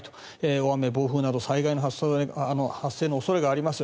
大雨、暴風など災害の発生の恐れがあります。